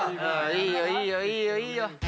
いいよいいよいいよいいよ。